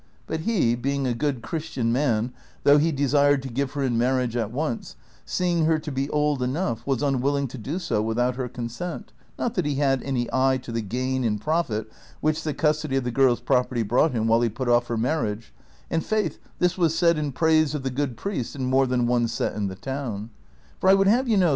But he, being a good Christian man, though he desired to give her in marriage at once, seeing her to be old enough, was unwilling to do so Avithout her consent, not that he had any eye to the gain and profit which the custody of the girl's property brought him while he put off her marriage ; and, faith, this was said in praise of the good priest in more than one set in the town. For I would have you know.